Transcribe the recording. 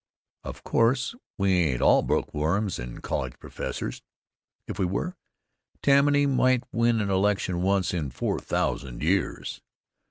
Of course, we ain't all bookworms and college professors. If we were, Tammany might win an election once in four thousand years.